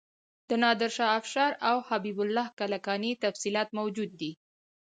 د نادر شاه افشار او حبیب الله کلکاني تفصیلات موجود دي.